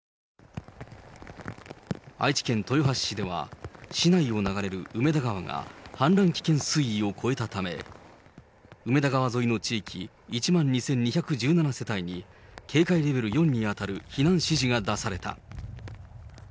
愛知県豊橋市では、市内を流れる梅田川が、氾濫危険水位を超えたため、梅田川沿いの地域１万２２１７世帯に、警戒レベル４に当たる避難指示が出された。